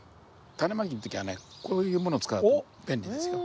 タネまきの時はねこういうものを使うと便利ですよ。